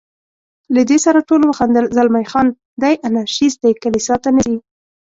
له دې سره ټولو وخندل، زلمی خان: دی انارشیست دی، کلیسا ته نه ځي.